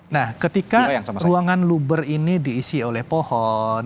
nah ketika ruangan luber ini diisi oleh pohon